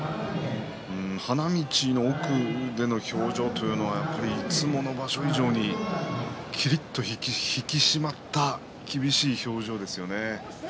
花道の奥の表情はいつもの場所以上にきりっと引き締まった厳しい表情ですよね。